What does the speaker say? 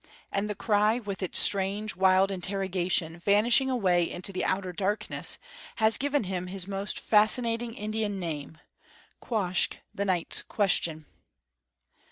And the cry, with its strange, wild interrogation vanishing away into the outer darkness, has given him his most fascinating Indian name, Quoskh the Night's Question.